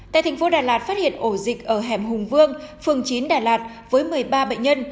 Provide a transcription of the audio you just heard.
tại thành phố đà lạt phát hiện ổ dịch ở hẻm hùng vương phường chín đà lạt với một mươi ba bệnh nhân